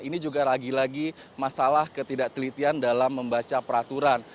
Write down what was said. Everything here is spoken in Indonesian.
ini juga lagi lagi masalah ketidaktelitian dalam membaca peraturan